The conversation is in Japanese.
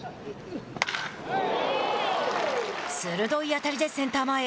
鋭い当たりでセンター前へ。